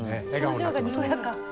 表情がにこやか。